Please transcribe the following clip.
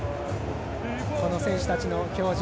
選手たちの表情。